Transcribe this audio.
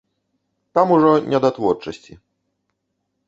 Там ужо не да творчасці.